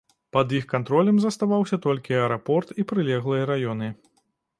Пад іх кантролем заставаўся толькі аэрапорт і прылеглыя раёны.